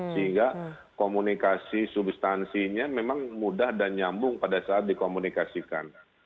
sehingga komunikasi substansinya memang mudah dan nyambung pada saat dikomunikasikan